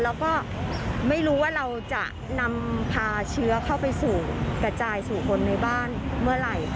แล้วก็ไม่รู้ว่าเราจะนำพาเชื้อเข้าไปสู่กระจายสู่คนในบ้านเมื่อไหร่